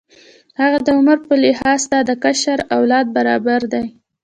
هغه د عمر په لحاظ ستا د کشر اولاد برابر دی.